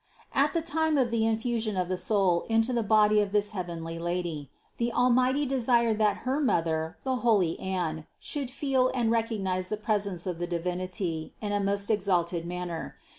224. At the time of the infusion of the soul into the body of this heavenly Lady, the Almighty desired that her mother, the holy Anne, should feel and recognize the presence of the Divinity in a most exalted manner.